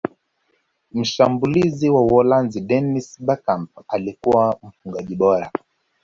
mshambulizi wa uholanzi dennis berkgamp alikuwa mfungaji bora